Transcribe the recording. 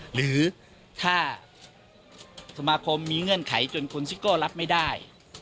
หรือถ้าสมาคมมีเงื่อนไขจนคุณซิโก้รับไม่ได้